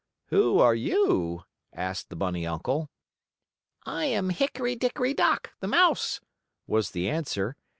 "Who are you?" asked the bunny uncle. "I am Hickory Dickory Dock, the mouse," was the answer.